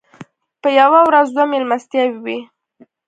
په یوه ورځ دوه مېلمستیاوې وې.